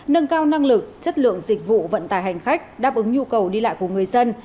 nâng cao năng lực chất lượng dịch vụ vận tải hành khách đáp ứng nhu cầu đi lại của người dân